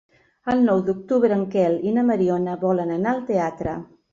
El nou d'octubre en Quel i na Mariona volen anar al teatre.